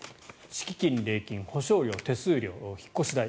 敷金、礼金、保証料手数料、引っ越し代